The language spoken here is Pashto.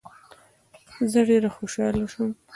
زه ډیر خوشحاله سوم.